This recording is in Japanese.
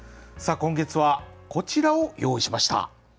さあ今月はこちらを用意しました。